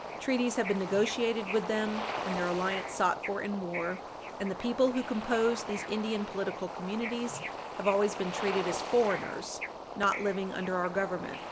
Treaties have been negotiated with them, and their alliance sought for in war, and the people who compose these Indian political communities have always been treated as foreigners not living under our Government.